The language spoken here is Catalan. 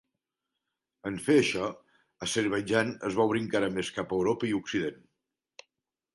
En fer això, Azerbaidjan es va obrir encara més cap a Europa i Occident.